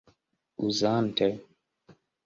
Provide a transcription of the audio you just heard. uzante